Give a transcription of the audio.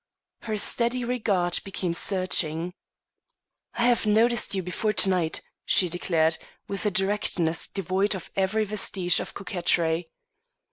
Her steady regard became searching. "I have noticed you before to night," she declared, with a directness devoid of every vestige of coquetry.